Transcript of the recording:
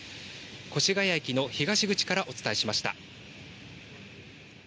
越谷駅の東口からお伝えしました。